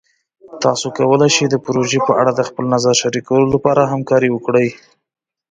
تاسو کولی شئ د پروژې په اړه د خپل نظر شریکولو لپاره همکاري وکړئ.